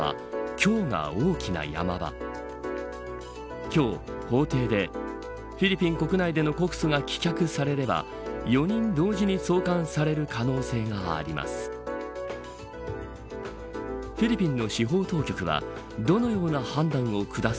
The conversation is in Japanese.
今日、法廷でフィリピン国内での告訴が棄却されれば４人同時に送還される可能性があります。